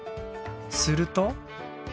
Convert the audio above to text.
すると。